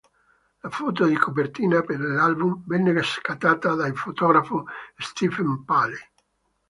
La foto di copertina per l'album venne scattata dal fotografo Stephen Paley.